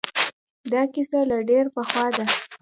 دا قصه له ډېر پخوا ده